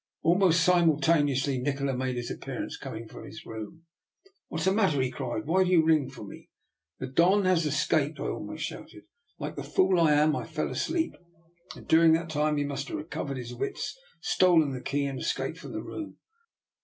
Al most simultaneously Nikola made his appear ance, coming from his room. " What is the matter? " he cried. " Why do you ring for me? "" The Don has escaped,*' I almost shouted. " Like the fool I am, I fell asleep, and during that time he must have recovered his wits, stolen the key, and escaped from the room.